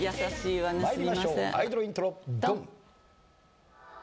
アイドルイントロドン！